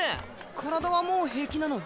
体はもう平気なの？